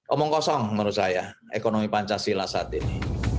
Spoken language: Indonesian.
omong kosong menurut saya ekonomi pancasila saat ini